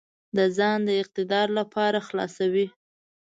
د ځان د اقتدار لپاره خلاصوي.